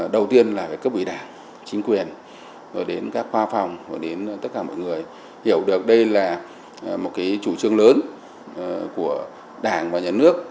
đầu tiên là cấp ủy đảng chính quyền rồi đến các khoa phòng rồi đến tất cả mọi người hiểu được đây là một cái chủ trương lớn của đảng và nhà nước